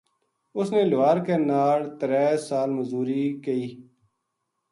اُس نے لوہار کے ناڑ ترے سال مزوری کئی